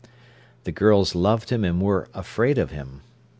The girls loved him and were afraid of him.